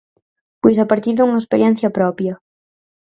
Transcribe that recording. Pois a partir dunha experiencia propia.